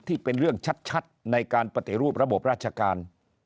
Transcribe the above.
เป็นเรื่องชัดในการปฏิรูประบบราชการ